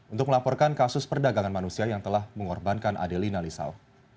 untuk melaporkan kasus perdagangan manusia yang telah mengorbankan adelina lisau